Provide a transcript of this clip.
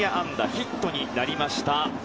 ヒットになりました。